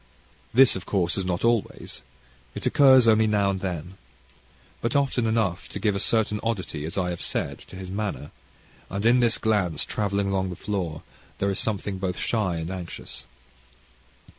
This, of course, is not always. It occurs now and then. But often enough to give a certain oddity, as I have said, to his manner, and in this glance travelling along the floor there is something both shy and anxious.